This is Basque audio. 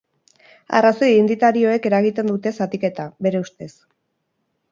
Arrazoi identitarioek eragiten dute zatiketa, bere ustez.